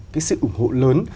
cái sự ủng hộ lớn